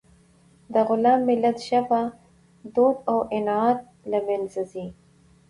د غلام ملت ژبه، دود او عنعنات له منځه ځي.